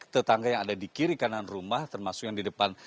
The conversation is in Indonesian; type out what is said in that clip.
tetangga yang ada di kiri kanan rumah termasuk yang di depan